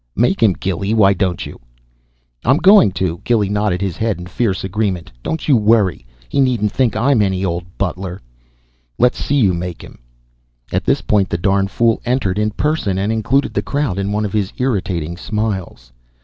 "Make him, Gilly, why don't you?" "I'm going to." Gilly nodded his head in fierce agreement. "Don't you worry. He needn't think I'm any ole butler." "Le's see you make him." At this point the darn fool entered in person and included the crowd in one of his irritating smiles.